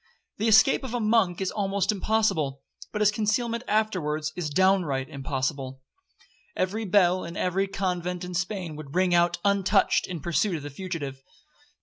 The escape of a monk is almost impossible,—but his concealment afterwards is downright impossible. Every bell in every convent in Spain would ring out untouched in pursuit of the fugitive.